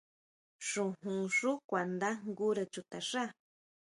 Xojón xú kuandajngure chutaxá.